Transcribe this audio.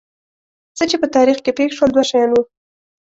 څه چې په تاریخ کې پېښ شول دوه شیان وو.